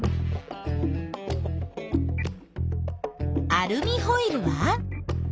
アルミホイルは？